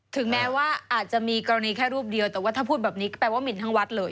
ถึงแม้ว่าอาจจะมีกรณีแค่รูปเดียวแต่ว่าถ้าพูดแบบนี้ก็แปลว่าหมินทั้งวัดเลย